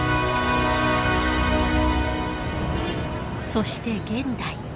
そして現代。